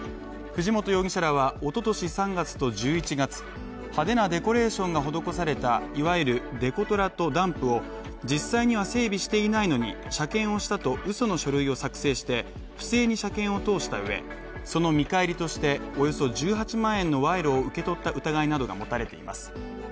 藤本容疑者らはおととし３月と１１月、派手なデコレーションが施されたいわゆるデコトラとダンプを実際には整備していないのに車検をしたと、うその書類を作成して不正に車検を通したうえ、その見返りとしておよそ１８万円の賄賂を受け取った疑いなどが持たれています。